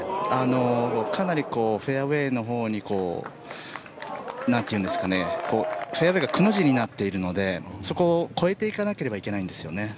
かなりフェアウェーのほうにフェアウェーがくの字になっているのでそこを越えていかなければいけないんですよね。